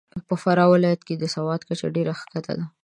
په فراه ولایت کې د سواد کچه ډېره کښته ده .